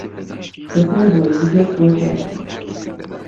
دە پێم بڵێ، جگەرگۆشەم،